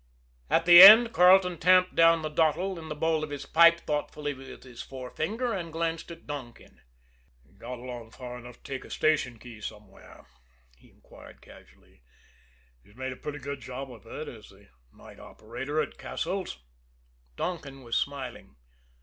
At the end, Carleton tamped down the dottle in the bowl of his pipe thoughtfully with his forefinger and glanced at Donkin. "Got along far enough to take a station key somewhere?" he inquired casually. "He's made a pretty good job of it as the night operator at Cassil's." Donkin was smiling.